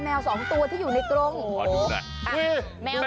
แมวสองตัวที่อยู่ในกรงโอ้โหโอ้โหโอ้โหโอ้โหโอ้โหโอ้โห